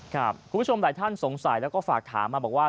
คุณผู้ชมหลายท่านสงสัยแล้วก็ฝากถามมาบอกว่า